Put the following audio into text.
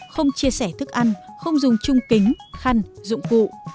không chia sẻ thức ăn không dùng chung kính khăn dụng cụ